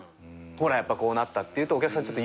ほらやっぱこうなったっていうとお客さん